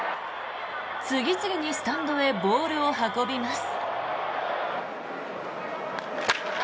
次々にスタンドへボールを運びます。